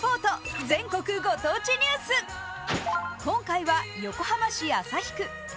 今回は横浜市旭区。